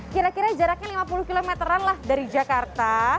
kira kira jaraknya lima puluh km lah dari jakarta